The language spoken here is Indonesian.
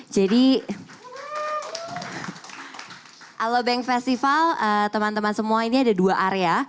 jadi alobank festival teman teman semua ini ada dua area